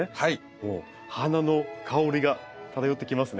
もう花の香りが漂ってきますね。